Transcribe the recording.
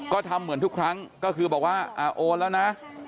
ก็ทำเหมือนทุกครั้งก็คือบอกว่าโอนแล้วนะ